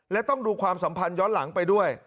และต้องดูความสัมพันธ์ย้อนหลังไปด้วย